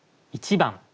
１番